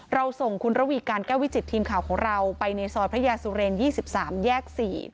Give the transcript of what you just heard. เราส่งคุณระวีการแก้ววิจิตทีมข่าวของเราไปในซอยพระยาสุเรน๒๓แยก๔